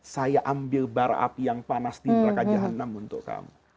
saya ambil bar api yang panas di prakajahan enam untuk kamu